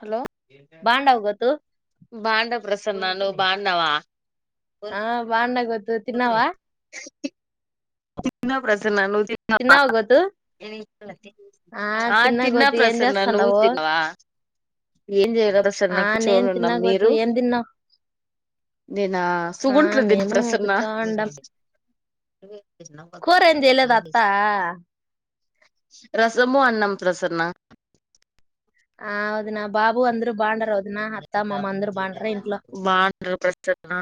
Hello బాగుండావు గోతు బాండవ ప్రసన్నను బా అన్నావా అ తిన్నావా తిన్న ప్రసన్నను తవా తిన్నావా గోతు ఆ తిన్నా గోతు ఏం ప్రసన్న నువ్వు చేస్తాండావు తినవా ఏం చేయగ ప్రసన్న ఆ నేను కూర్చొని ఉన్నాం తిన్నా గోతు మీరు ఏం తిన్నావు నేనా ఆ సుగుంట్లు తిన్న మేము ప్రసన్న కూర్చోండం కూర ఏం జేయలేదా తా రసము అన్నం ప్రసన్న ఆ వదిన బాబు అందరూ బావుండారా వదినా బాగున్నారు ప్రసన్న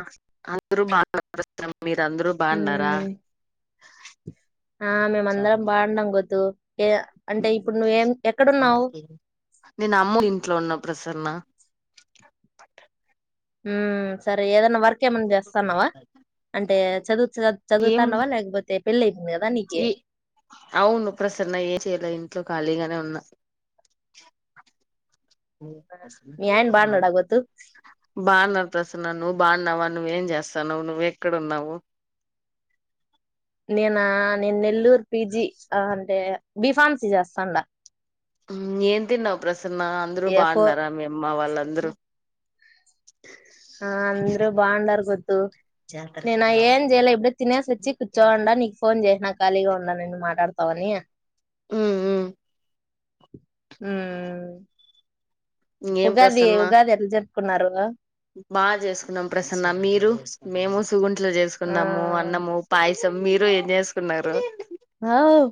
అందరు బాగున్నారు స ఉమ్ ఆ మేమ అందరం బాగుడాం గొత్తు ఏ అంటే ఇప్పుడు నువ్వేం ఎక్కడున్నావు నేను అమ్మోళ్ల ఇంట్లో ఉన్నా ప్రసన్న పట్ ఉమ్ సరే ఏదన్నా వర్క్ ఏమైనా చేస్తున్నావా అంటే చదువు చదువుతాన్నావా లేకపోతే పెళ్లే ఈ అవును ప్రసన్న ఏం చేయాలే ఇంట్లో ఖాళీగానే ఉ న్నా మీ ఆయన బాగున్నాడా గోతు బాగున్న ప్రసన్న నువ్వు బాగున్నావా నువ్వేం చేస్తాన్నావ్ నువ్వెక్కడ ఉన్నావు నేనా నేను నెల్లూరు పీజీ ఆ అంటే బీఫార్మసీ చేస్తాండా ఉమ్ ఏం తిన్నావు ప్రసన్న అందరు ఎఫో బాగున్నారా మీ అమ్మ వాళ్ళందరూ ఆ అందరు బాగుండారు గోతి నేను ఏం చేయలే ఇప్పుడ తినేసి వచ్చి కూర్చోండా నీకు ఫోన్ చేసినా ఖాళీగా ఉండా అని మాట్లాడతావని ఉమ్ ఉమ్ ఉమ్ ఏం ఉగాది ప్రసన్న ఉగాది ఎట్ల జరుపు కున్నారు. బాగా చేసుకున్నాం ప్రసన్న మీరు మేము సుగుండలు ఆ చేసుకున్నాము అన్నము పాయ సం మీరు ఏం చేసుకున్నారు. వావ్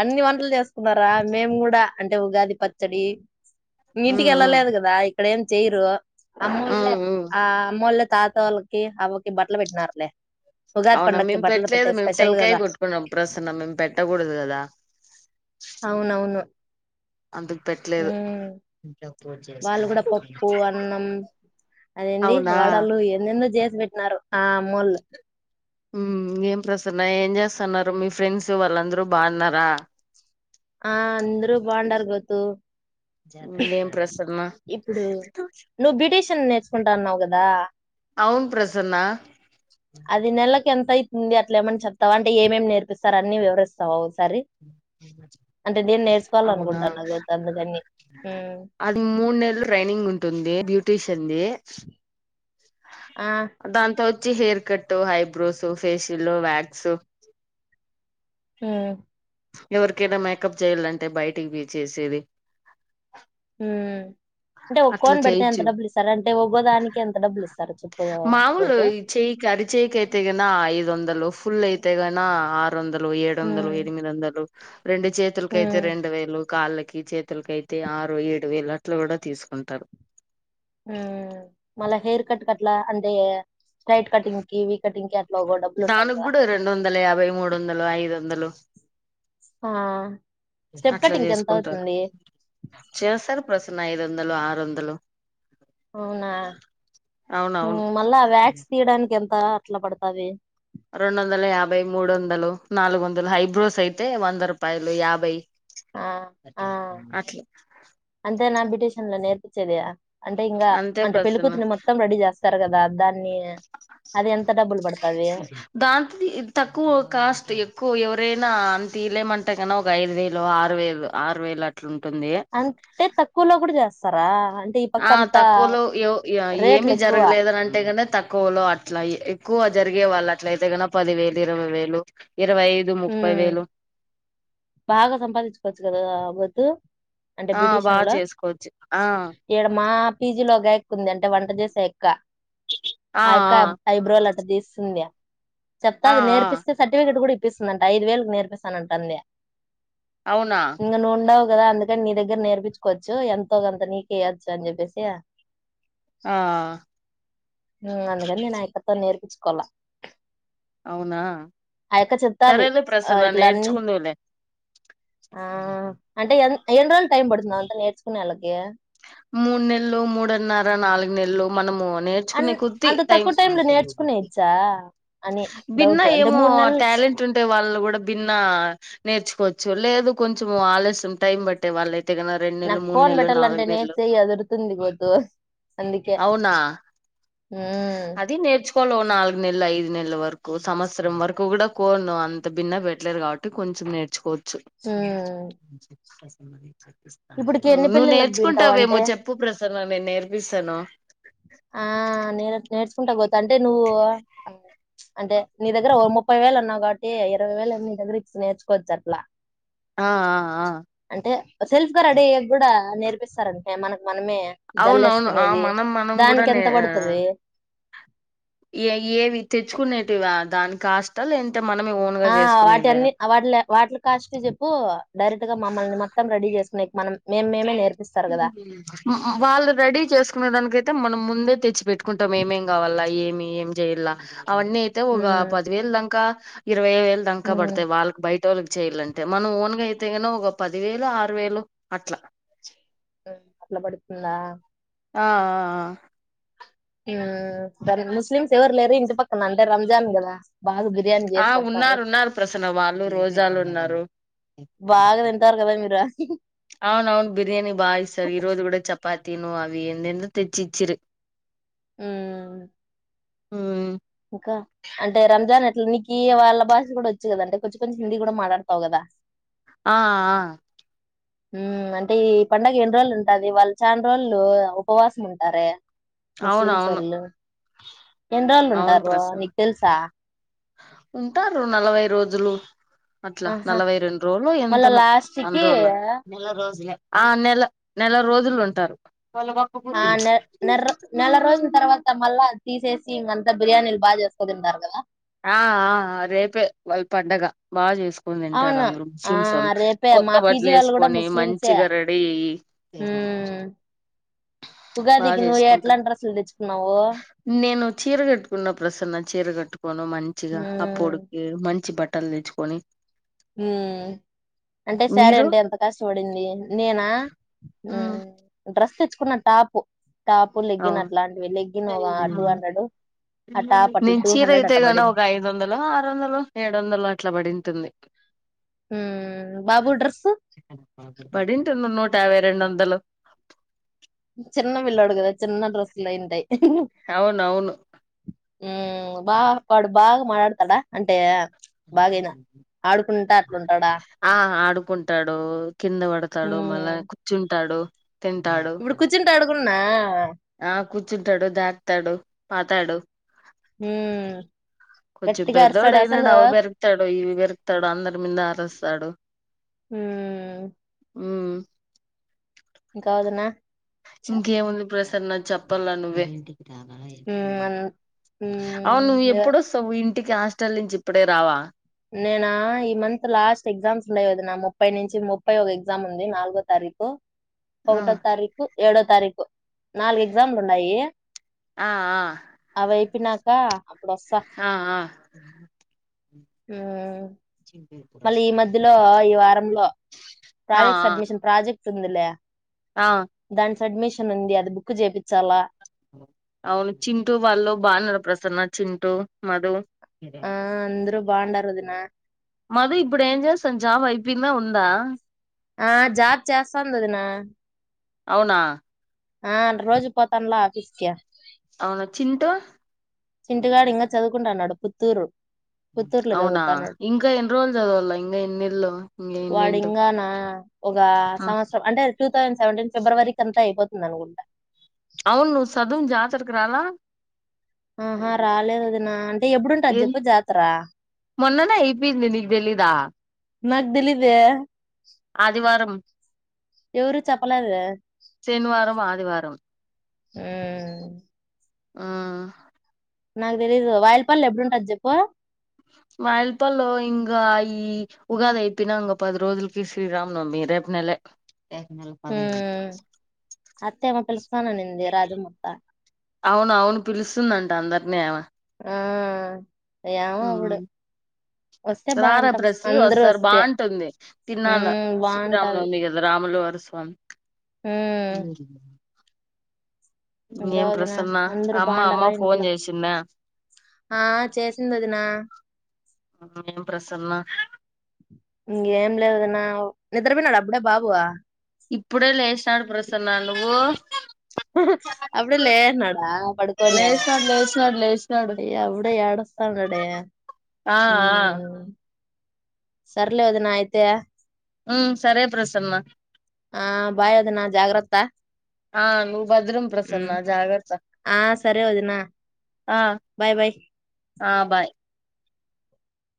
అన్ని వంటలు చేసుకున్నారా మేము కూడా అంటే ఉగాది పచ్చడి, ఉమ్ ఇంటికి ఎళ్లా ఉమ్ లేదు కదా ఇక్కడేం చేయరు ఆ మూలే ఉమ్ ఉమ్ ఆ మూల తాత వాళ్ళకి అవ్వకి బట్టలు పెట్టినారులే ఉగాది అవున పండక్కి మేం బట్టలు పెట్లేదు పెట్టే మేం స్పెషల్ టెంకాయ కదా కొట్టుకున్నాం ప్రసన్న మేం పెట్ పెట్టాకుడదు కదా అవునవును అందుకు పెట్టలేదు ఉమ్ వాళ్ళు కూడా పప్పు అన్నం అదేంది అవునా వడలు ఎన్నోనో చేస్త చేసి పెట్టినారు ఆ అమ్మ వాళ్లు హు ఏం ప్రసన్న ఏం చేస్తున్నారు మీ ఫ్రెండ్స్ వాళ్ళందరు బాగున్నారా ఆ అందరు బాగున్నారు గౌతు ఇంకేం ప్రసన్న చసుకుంటున్నావు కదా అవున్ ప్రసన్న అది నెలాకి ఎంత ఇ ఉంది అట్లే ఏమని చెతా అంటే ఏమేమి నేర్పిస్తారు అని వివరిస్తావ నేర్చుకోవాల అవునా అనుకుంటాన్నా గోతు అందుకని ఉమ్ అది మూడు నెలలు ట్రైనింగ్ ఉంటుంది. బ్యూటీషియన్ది ఆ దాంతో వచ్చి hair cut eyebrows facial wax హు ఎవరికైనా మేకప్ చెయాలంటే బయటికి పోయి చేసేది హు అంటే ఒక అట్లా కోన్ పెడితే ఎంత చేయొచ్చు డబ్బులు ఇస్తారు. అంటే ఒకోదానికి ఎంత డబ్బులు ఇస్తారు చెప్పు మామూలు ఈ చెయ్యికి అరిచేయికైతే గిన ఐదు వందలు ఫుల్ అయితే గానీ ఆర్ ఆరు వందలు ఏడు వందలు ఉమ్ ఎనిమిది వందలు రెండు చేతులకైతే ఉమ్ రెండు వేలు కాళ్ళకి చేతులకి అయితే ఆరు ఏడు వేలు అట్లు కూడా తీసుకుంటారు హు మళ్ళా హెయిర్ కట్ కి కట్లా అంటే స్ట్రైట్ కటింగ్ కి వి కటింగ్ కి అట్లా ఒక డబ్బులు ఉంటది దానికి కదా కూడా రెండు వందల యాభై మూడు వందలు ఐదు వందలు ఆ స్టెప్ అట్లా కటింగ్ కి ఎంత చేసుకుంటారు అవుతుంది చేస్తారు కు ప్రసన్న ఐదు వందలు ఆరు వందలు అవునా హు అవునవును మళ్ళా వ్యాక్స్ తీయడానికి ఎంత ఎట్లా పడతాది రెండు వందల యాభై మూడు వందలు నాలుగు వందలు హైబ్రోస్ అయితే వంద రూపాయలు యాభై ఆ ఆ అట్లా అంతే నా బిటషన్లో నే పించేది అంటే ఇంకా అంతే అంటే పెళ్లికూతురిని మొత్తం రెడీ చేస్తారు కదా రాజ్ దాని దాంతి ఇది తక్కువ కాస్ట్ ఎక్కువ ఎవరైనా అ తీలేమంటే కన ఒక ఐదు వేలు ఆరు వేలు ఆరు వేలు అట్లుం అంతే తక్కువలో కూడా జాస్ సరా ఆ తక్కువలో యో ఆ రేట్లు ఏమి ఎక్కువ జరగలేదని అంటే నే తక్కువలో అట్లా ఎక్కువ జరిగే వాళ్ళ అట్లయితే కన పది వేలు ఇరవై వేలు ఇరవై ఐదు ముప్పై ఊమ్ వేలు బాగా సంపాదించుకోవచ్చు కదా బొ టూ అంటే ఆ బాగా బ్యుటీషయన్ ల చేసుకోవచ్చు ఆ ఈడ మా పీజీ లో గాయక్ ఉందండి టె వంట జేసేక్క ఆ ఆ ఆయొక్క ఐబ్రోలా అట్ట తీస్తుంది ఆ చెప్తాది ఆ నేర్పిస్తే సర్టిఫికేట్ కూడ్ పిస్తుందంట ఐదు వేలు నేర్పిస్తానంట అందే అవునా ఇంగ నువ్ ఉండవ్ కదా అందుకని నీ దగ్గర నేర్పించుకోవచ్చు ఎంతో గంత నీకు ఇయొచ్చు అని చెప్పేసి ఆ ఊమ్ అందుకని నేను అ యక్కతోని నేర్పించుకోల అవునా ఆ యక్క చెప్తాది సరేలే ఆ ప్రసన్న ఇట్ల అన్నీ నేర్చుకుందువులే ఆ అంటే ఎన్ ఏండ్రోల్ టైమ్ పడుతుంది అదంతనేర్చుకునే ఆలకు ఏ మూడు నెల్లు మూడున్నారా నాలుగు నెల్లు మనము అన్ నేర్చుకునే కొద్ది అంత టైం తక్కువ లో నేర్చుకునేయచ్చా అని బిన్న డౌట్ అంటే ఏమో మూడు నెలలు టాలెంట్ ఉంటే వాళ్ళు కూడా భిన్న నేర్చుకోవచ్చు లేదు కొంచెం ఆలస్యం టైం పట్టే వాళ్ళయి తెగిన రెండు నెల్లు మూడు నెల్లు నాలుగునెల్లు చెయ్ అదరుతుందిగోతు అందుకే అవునా ఊమ్ నెళ్లు వరకు సంవత్సరం వరకు కూడా కోను అంత భిన్న పెట్టలేరు కాబట్టి కొంచెం నేర్చుకో చు హ్మ్. ప్రసన్న దిచ్చేయ్ ఇప్పటికి ఎన్ని నువ్వు పెళ్ళిళ్ళకి నేర్చుకుం వింటావు గవేమో అంటే చెప్పు ప్రస్ సన్న నేన్ నేర్పిసను ఆ నేలట్ నేర్చ్ చంటా పోతేా అంటే నువ్వు అంటే నీ దగ్గర ముప్పై వేలు ఉన్నావు కాబట్టి ఇరవై వేలు నీ దగ్గర ఇ నేర్చుకోవచ్చు అట్లా ఆ ఆ ఆ అంటే సెల్ఫ్ గారు అడ కూడా నేర్పిస్తారంటే మనకు మనమే అవును అవును ఆ జల్లేసుకునేవి. మనం మనం కూడా న దానికెంత పడతది? ఏ ఏవి తెచ్చుకునేటివి దాని కాస్ట్ త లేండ్ ఆ వాటి అన్నిీ వాటి వాటిల కాస్ట్ చెప్పు డైరెక్ట్ గా మమ్మల్ని మొత్తం రెడీ చేసుకున్నాయి మనం మేము మేమే లేేరు వాళ్ళు రెడీ చేసుకునే దానికయితే మనం ముందే తెచ్చి పెట్టుకుంటాం ఏమేం కావాల ఏమి ఏం చేయల్ అవన్నీ అయితే ఒక హ్మ్. పదివేలు దంక ఇ ఇర్ వయ్య వేలు దాకా హ్మ్. పడతాయి వాళ్ళకి బయట టోల్ కి చేయాలంటే మనం ఓన్గా అయితే కన ఒక పది వేలు ఆరు వేలు అట్లా విన బడుతుందా ఆ సరే ముస్లిమ్స్ ఎవరు లేరు ఇంటి పక్కన అంటే రంజాన్ కదా బాగా బిర్యానీ చేసి ఆ పెడతారు ఉన్నారు ఉన్నారు ప్రసన్న వాళ్ళు రోజాలు ఉన్నారు ఇ అవును అవున్ బిర్యానీి బాయిస్తారు ఇ రోజు కూడా చపాతి తిను అవి ఎంతెంత తెచ్చిచ్చురే ఆ హ దినీ కి వాళ్ళ భాష కూడా వచ్చు కదా అంటే కొంచెం కొంచెం హిందీ కూడా మాట్లాడతావు కదా ఆ ఆ అంటే ఈ పండగ ఎన్ని రోజులు ఉంటది వాళ్ళు చా రోజులు ఉపవాసం ఉంటారే ముస్లింస్ అవునవును ఓల్లు ఎన్ని రోజులు అవును ఉంటారు ప్రసన్న నీకు తెలుసా ఉంటారు నలభై రోజులు అట్లా ఆహా నలభై రెండు రోజులు మళ్ళా ఎంతను లాస్ట్ అన్న కి రోజుల నెల రోజులే ఆ నెల నెల రోజులు ఉంటారు వాళ్ళ గొప్ప ఆ బుద్ధులు నె నెర నెల రోజుల తర్వాత మళ్ళా తీసేసి ఇంకంతా బిర్యానీలు బాగా చేసుకో తింటారు కదా ఆ ఆ రేపే వాళ్ళ పండగ బాగా చేసుకో కోని తింటారు అవును అందరు ఆ ముస్లింస్ వాళు రేపే కొత్త మా పీజీ బట్టలు వాళ్ళు కూడా వేసుకొని ముస్లిమ్సే మంచిగా రెడీ ఉమ్ బా ఉగాదికి నువ్వు చేసుకుంటారు ఎట్లాంటి డ్రస్సులు తెచ్చుకున్నావు నేను చీర కట్టుకున్న ప్రసన్న చీర కట్టు మంచిగా ఉమ్ అప్పడుకు మ మంచి బట్టలు తెచ్చుకొని అంటే సారే మీరు అంటే ఎంత కాష్టపడింది నేనా డ్రెస్ తెచ్చు కున్న తాపు అవును టూ హండ్రెడ్ ఆ టాప్ అట్లా నేను టూ చీర హండ్రెడ్ అయితే అట్ట కను పడింది ఒక అఐదు వందలు ఆరు వందలు ఏడు వందలు అట్లా పడింటుంది ఉమ్ బాబు డ్రెస్సు పడింట ఉన్న ావేరుండ వందలో చిన్న విల్ అడుకుదా చిన్న డ్రస్ ఇంటై అవును అవును ఉ బా పాడు బాగా మాట్లాడతాడా అంటే బాగేనా ఆడుకుంటా అట్లుంటాడా ఆ ఆడుకుంటాడు కింద పడతాడు మళ్ళా ఉమ్ కూర్చుంటాడు తింటాడు సున్నా ఆ కూర్చుంటాడు దాక్తాడు పాతాడు ఉమ్ కొంచెం గట్టిగా పెద్దోడు అరుస్తాడు అయినాడు అసలు అవి పెరుకుతాడు ఇవి పెరుకుతాడు అందరు మీ అరస్ ఆడు హ ఆ ఇంకావదునా ఇంకే ఉంది ప్రసన్న చెప్పలను వెేడి ఉమ్ అన్- అవు నువ్వు ఉమ్ ఇక ఎప్పుడో స ఇ ఇంటికి హాస్టల్ నుంచి ఇప్పుడే రావా నేనా ఈ మంత్ లాస్ట్ ఎగ్జామ్స్ లేద నా ముప్పై నుంచి ముప్పై ఒక ఎగ్జామ్ ఉంది నాలుగో తారీఖు ఆ ఒకటో తారీకుు ఏడో తారీకు నాలుగు ఎక్సాంల్ ఉన్నాయి ఆ అ చెప్పినాక ఆ ఆ ఆ మళ్ళీ ఈ ఆ మధ్యలో ఈ వారంలో ఆ ప్రాజెక్ట్ ఆ సడ్మిషన్ ప్రాజెక్ట్ సందిల ఆ అడ్మిషన్ ఉంది అది బుక్ చేపిచ్చాల అవును చింటూ వాళ్ళు బాన్నార ప్రసన్న చింటూ మధు ఆ అందరూ బాగుండారు వదినా మధు ఇప్పుడు ఏంజేస్ జాబ్ అయిపియిందా ఉందా? ఆ జాబ్ చేస్తాంది ఒదినా అవునా ఆ రోజు పోతానులా ఆఫీస్క్యా అవునా చింటూ చింటుగాడు ఇంకా చదువుకుంటఅన్నాడు పుత్తూరు పుత్తూరులో అవునా చదువుతాన్నాడు ఇంకా ఎన్ని రోజులు చదవాల ఇంకా ఎన్నిళ్లు ఇంకా వాడు ఎన్నింట్ ఇంగానా ఒక ఆ సంవత్సరం అంటే టూ థౌసండ్ సేవంటీన్ ఫిబ్రవరి కి అంత అయిపోతుంది అనుకుంట అవును సదుం జాతరకు ఇ రాలా ఆహా రాలేదు ఒదినా అంటే ఎప్పుడుంటది ఏం చెప్పు జాతర మొన్ననే అయిపోయింది నీకు తెలీదా మగ్ దెలీదే ఆదివారం ఎవరు చెప్పలేదే శనివారం ఆదివారం ఉమ్ ఆ నాకు తెలీదు వాయిలపల్లి ఎప్పుడుంటది చెప్పు వాయల్పాల్లో ఇంకా ఈ ఉగాది అయిపోయినాంగ పది రోజులకి శ్రీరామనవమి రేపు నెలె ఎ నెలకు పదైదు అత్త ఏమో పిలుస్తాననింది రాజమోత్త అవును అవును పిలుస్తుందంట అందరినీ ఆమ ఆ ఏమో అప్పుడు ఉమ్మ్ వస్తే రారా బాగుంటాం ప్రసి అందరూ ఓసారి వస్తే బాగుంటుంది. తిర్నాల్లో ఉమ్ శ్రీరాముల బాగుంటది నవమి కదా రాములు వారు స్వామి ఉమ్ స ఇంకా ఒదినా అందరు అమ్మ అమ్మ బాగుండరా ఫోన్ ఇంట్లో చేసిందా ఆ చేసింది ఒదినా ఇంకేం ప్రసన్న ఇంకేంలేదు ఒదినా నిద్ర పోయినాడ అప్పుడే బాబు వా ఇప్పుడే లేసినాడు ప్రసన్నా నువ్వు అప్పుడే లేసినాడా లేచినాడు లేచినాడు లేచ్ అయ్య అపుడే ఎడస్తానాడే ఆ ఆ హుమ్ సర్లే ఒదినా అయితే ఉ సరే ప్రసన్న ఆ బాయ్ ఒదిన జాగ్రత్త ఆ నువ్వు భద్రం ప్రసన్న ఉమ్ జాగ్రత్త ఆ సరే ఒదినా ఆ బాయ్ బయ్ ఆ బాయ్